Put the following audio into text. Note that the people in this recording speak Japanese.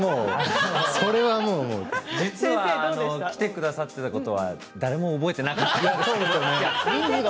実は来てくださっていたことは誰も覚えていなかったんです。